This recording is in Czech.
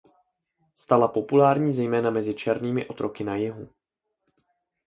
Stala populární zejména mezi černými otroky na jihu.